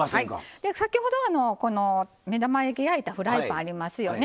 先ほど、目玉焼き焼いたフライパンありますよね。